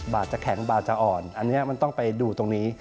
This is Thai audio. บาทจะแข็งบาทจะอ่อนอันนี้มันต้องไปดูตรงนี้